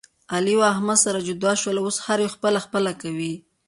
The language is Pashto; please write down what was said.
علي او احمد سره جدا شول. اوس هر یو خپله خپله کوي.